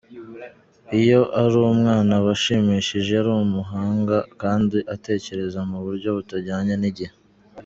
Iyo ari umwana aba ashimishije, ari umuhanga kandi atekereza mu buryo butajyanye n’igihe.